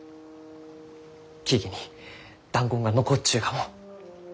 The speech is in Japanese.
木々に弾痕が残っちゅうがも。